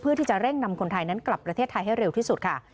เพื่อที่จะเร่งนำคนไทยนั้นกลับประเทศไทยให้เร็วที่สุดค่ะ